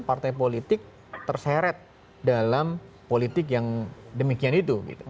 partai politik terseret dalam politik yang demikian itu